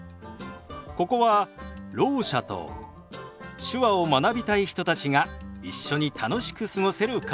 ここはろう者と手話を学びたい人たちが一緒に楽しく過ごせるカフェ。